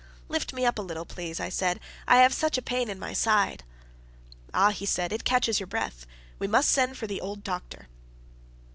"Lift me up a little, please," I said, "I have such a pain in my side!" "Ah!" he said, "it catches your breath. We must send for the old doctor."